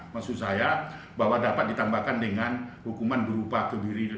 maksud saya bahwa dapat ditambahkan dengan hukuman berupa kebiri